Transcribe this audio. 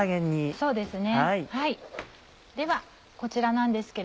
そうですね。